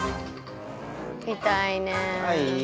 痛いねえ。